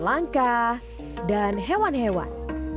langka dan hewan hewan